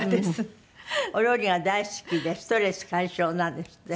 お料理が大好きでストレス解消なんですって？